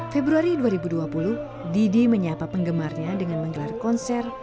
februari dua ribu dua puluh didi menyapa penggemarnya dengan menggelar konser